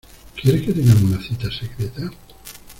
¿ quieres que tengamos una cita secreta?